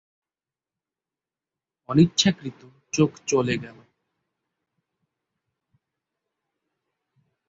অনিচ্ছাকৃত চোখ চলে গেল।